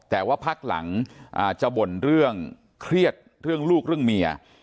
แต่ว่าพักหลังจะบ่นเรื่องเครียดเรื่องลูกเรื่องเมีย